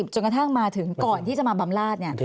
กระทั่งมาถึงก่อนที่จะมาบำราชเนี่ย